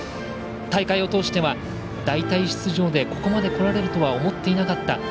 大会を通しては代替出場でここまでこられるとは思っていなかった。